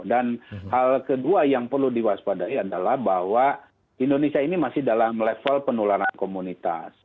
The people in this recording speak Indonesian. dan hal kedua yang perlu diwaspadai adalah bahwa indonesia ini masih dalam level penularan komunitas